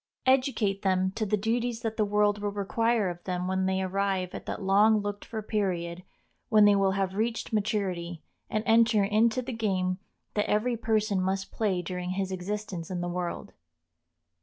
Educate them to the duties that the world will require of them when they arrive at that long looked for period when they will have reached maturity, and enter into the game that every person must play during his existence in the world.